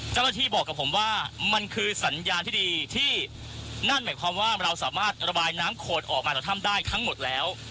เจ้าหน้าที่บอกกับผมว่ามันคือสัญญาณที่ดีที่นั่นหมายความว่าเราสามารถระบายน้ำโคนออกมาจากถ้ำได้ทั้งหมดแล้ว